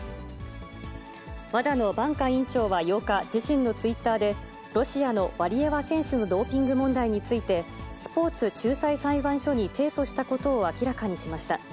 ＷＡＤＡのバンカ委員長は８日、自身のツイッターでロシアのワリエワ選手のドーピング問題について、スポーツ仲裁裁判所に提訴したことを明らかにしました。